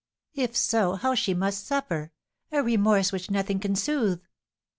"If so, how she must suffer! a remorse which nothing can soothe!"